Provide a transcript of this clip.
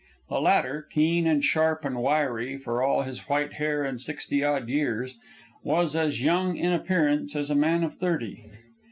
The latter, keen and sharp and wiry, for all his white hair and sixty odd years, was as young in appearance as a man of thirty.